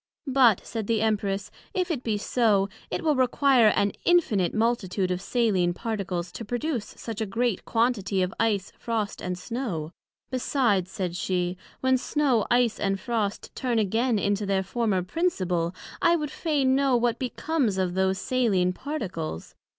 But, said the Empress, if it be so, it will require an infinite multitude of saline particles to produce such a great quantity of Ice, Frost and Snow: besides, said she, when Snow, Ice and Frost, turn again into their former principle, I would fain know what becomes of those saline particles?